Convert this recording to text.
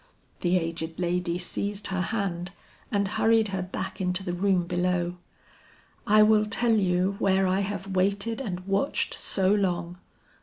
The aged lady seized her hand and hurried her back into the room below. "I will tell you where I have waited and watched so long.